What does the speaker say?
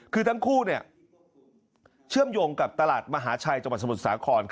คือทั้งคู่เชื่อมโยงกับตลาดมหาชัยจังหวัดสมุทรสาคร